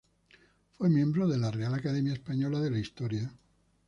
Fue miembro de la Real Academia Española de la Historia.